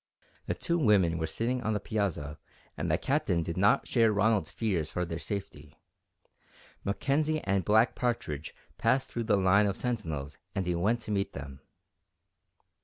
The two women were sitting on the piazza and the Captain did not share Ronald's fears for their safety. Mackenzie and Black Partridge passed through the line of sentinels and he went to meet them.